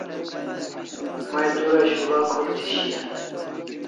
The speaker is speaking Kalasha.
May dura shul'a khul thi shian